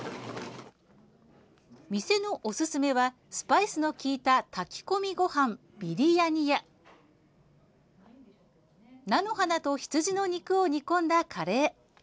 店のおすすめはスパイスのきいた炊き込みごはんビリヤニや菜の花と羊の肉を煮込んだカレー。